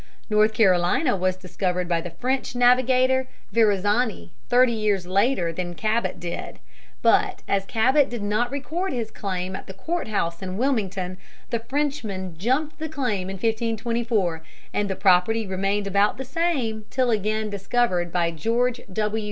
North Carolina was discovered by the French navigator Verrazani, thirty years later than Cabot did, but as Cabot did not record his claim at the court house in Wilmington the Frenchman jumped the claim in 1524, and the property remained about the same till again discovered by George W.